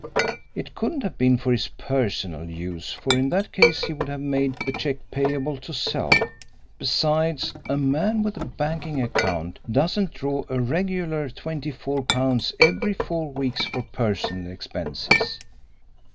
It couldn't have been for his personal use, for in that case he would have made the cheques payable to self. Besides, a man with a banking account doesn't draw a regular £24 every four weeks for personal expenses.